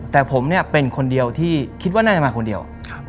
แต่ผมเนี่ยเป็นคนเดียวที่คิดว่าน่าจะมาคนเดียว